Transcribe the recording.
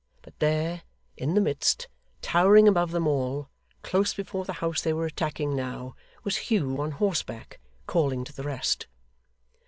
But there, in the midst, towering above them all, close before the house they were attacking now, was Hugh on horseback, calling to the rest!